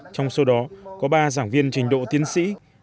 trong số đó có ba giảng viên trình độ tiến sĩ